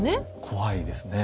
怖いですね。